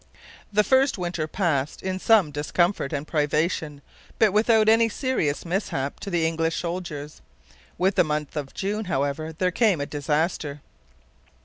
The first winter passed, in some discomfort and privation, but without any serious mishap to the English soldiers. With the month of June, however, there came a disaster.